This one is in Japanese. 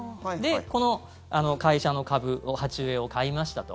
この会社の株鉢植えを買いましたと。